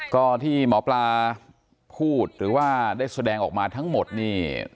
ก็ที่หมอปลาพูดหรือว่าได้แสดงออกมาทั้งหมดนี่